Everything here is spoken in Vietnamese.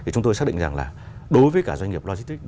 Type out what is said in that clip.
chúng tôi xác định rằng là đối với cả doanh nghiệp logistics